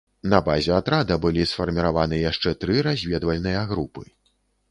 На базе атрада былі сфарміраваны яшчэ тры разведвальныя групы.